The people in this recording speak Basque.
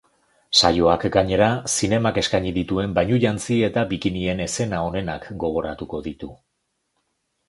Saioak gainera, zinemak eskaini dituen bainujantzi eta bikinien eszena onenak gogoratuko ditu.